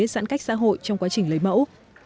giãn cách xã hội trong quá trình lấy mẫu